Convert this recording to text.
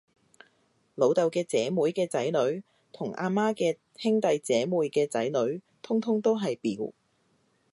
老豆嘅姐妹嘅仔女，同阿媽嘅兄弟姐妹嘅仔女，通通都係表